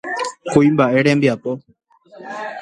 Kuimba'e rembiapo.